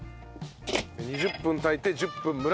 ２０分炊いて１０分蒸らす。